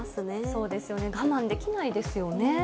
そうですよね、我慢できないですよね。